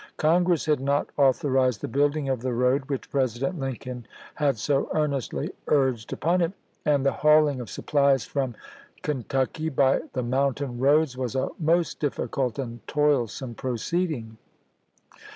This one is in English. Congress had not au thorized the building of the road which President Lincoln had so earnestly urged upon it, and the hauling of supplies from Kentucky by the moun tain roads was a most difficult and toilsome proceed ing.